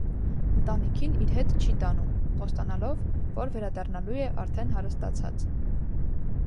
Ընտանիքին իր հետ չի տանում՝ խոստանալով, որ վերադառնալու է արդեն հարստացած։